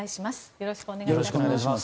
よろしくお願いします。